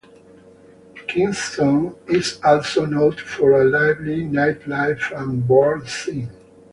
Kingston is also noted for a lively nightlife and bar scene.